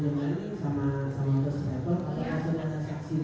tapi tidak pernah menggunakan agresif